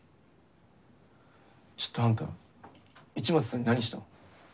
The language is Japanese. ちょっとあんた市松さんに何したの？